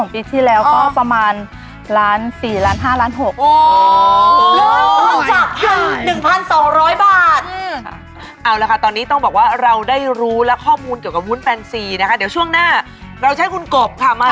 ปีที่แล้วที่ได้หน่อยได้ไหมอ่ะ